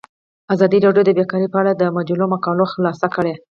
ازادي راډیو د بیکاري په اړه د مجلو مقالو خلاصه کړې.